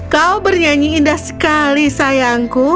kau bernyanyi indah sekali sayangku